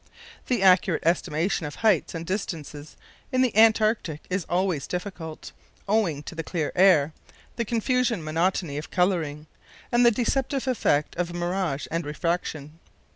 The accurate estimation of heights and distances in the Antarctic is always difficult, owing to the clear air, the confusing monotony of colouring, and the deceptive effect of mirage and refraction.